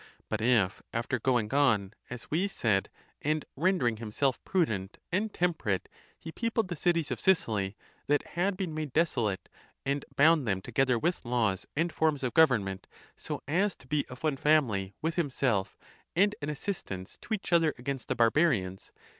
But if, after going on, as we said, and rendering him self prudent and temperate, he peopled the cities of Sicily, that had been made desolate, and bound them together with laws and forms of government, so as to be of one family with himself and an assistance to each other against the Barbarians